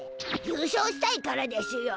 優勝したいからでしゅよ。